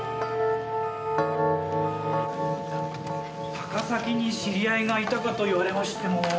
高崎に知り合いがいたかと言われましても。